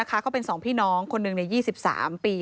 ก็เป็นสองพี่น้องคนนึงใน๒๓ปี